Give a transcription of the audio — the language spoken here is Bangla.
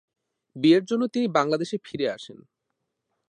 বিয়ের জন্য তিনি বাংলাদেশে ফিরে আসেন।